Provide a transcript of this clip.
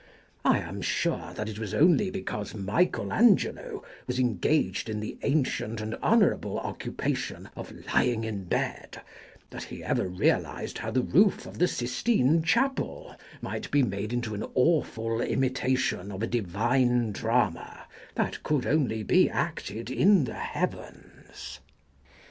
I am sure that it was only because Michael Angelo was engaged in the ancient and honourable occupation of lying in bed that he ever realized how the roof of the Sistine Chapel might be made On Lying in Bed into an awful imitation of a divine drama that could only be acted in the heavens.